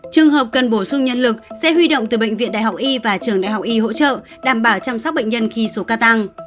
trường hợp cần bổ sung nhân lực sẽ huy động từ bệnh viện đại học y và trường đại học y hỗ trợ đảm bảo chăm sóc bệnh nhân khi số ca tăng